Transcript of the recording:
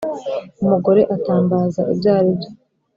umugore atambaza ibyo ari byo